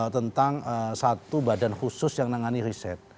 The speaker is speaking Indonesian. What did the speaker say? tentang satu badan khusus yang menangani riset